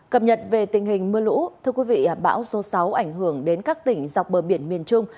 cập nhật về tình hình mưa lũ thưa quý vị bão số sáu ảnh hưởng đến các tỉnh dọc bờ biển miền trung